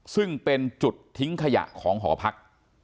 ซึ่งเป็นจุดทิ้งขยะของหอพัก